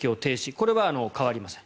これは変わりません。